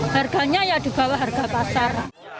harganya ya di bawah harga pasar